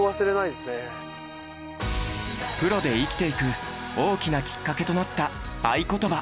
プロで生きていく大きなきっかけとなった愛ことば。